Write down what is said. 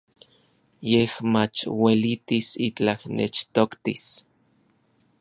Yej mach uelitis itlaj nechtoktis.